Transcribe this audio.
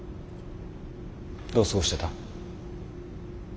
どう過ごしてた？